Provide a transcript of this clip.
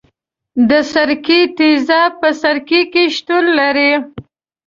د سرکې تیزاب په سرکه کې شتون لري.